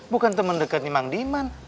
bukan temen dekatnya mang diman